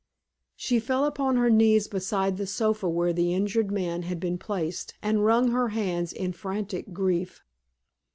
She fell upon her knees beside the sofa where the injured man had been placed, and wrung her hands in frantic grief.